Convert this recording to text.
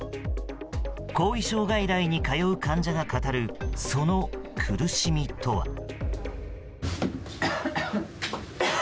後遺症外来に通う患者が語るその苦しみとは。